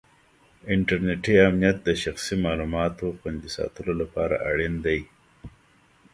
انټرنېټي امنیت د شخصي معلوماتو خوندي ساتلو لپاره اړین دی.